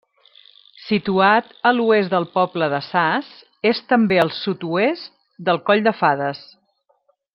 Situat a l'oest del poble de Sas, és també al sud-oest del Coll de Fades.